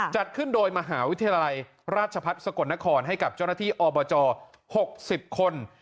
จัดขึ้นโดยมหาวิทยาลัยราชพัฒน์สกลนครให้กับเจ้าหน้าที่อบจ๖๐คน